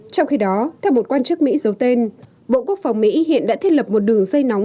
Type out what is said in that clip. trong khi đó theo một quan chức mỹ giấu tên bộ quốc phòng mỹ hiện đã thiết lập một đường dây nóng